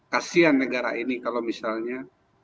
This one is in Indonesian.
kasian negara ini kalau misalnya